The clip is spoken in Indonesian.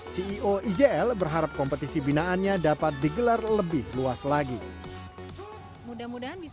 ceo ijl berharap kompetisi binaannya dapat digelar lebih luas lagi